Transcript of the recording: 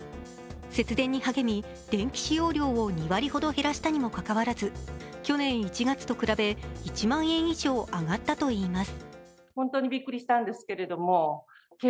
節電に励み、電気使用料を２割ほど減らしたにもかかわらず、去年１月と比べ１万円以上、上がったといいます。